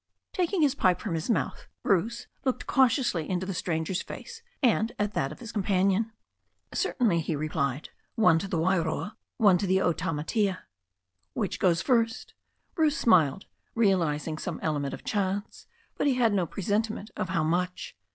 Taking his pipe from his mouth, Bruce looked curiously into the stranger's face and at that of his companion. "Certainly," he replied; "one to the Wairoa, and one to the Otamatea." 'Which goes first?" Bruce smiled, realizing some element of chance. But be had no presentiment of how much.